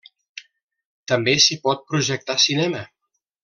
També s'hi pot projectar cinema.